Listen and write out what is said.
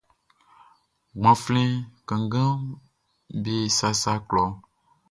Gbanflɛn kannganʼm be sasa klɔʼn.